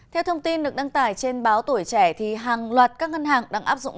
theo thông tin được đăng tải trên báo tuổi trẻ hàng loạt các ngân hàng đang áp dụng